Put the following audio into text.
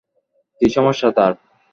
কী সমস্যা তার?